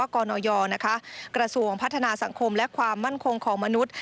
กนยกระทรวงพัฒนาสังคมและความมั่นคงของมนุษย์